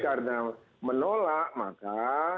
karena menolak maka